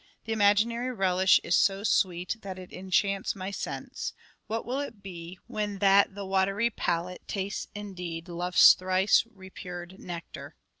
The imaginary relish is so sweet That it enchants my sense: what will it be When that the watery palate tastes indeed Love's thrice repured nectar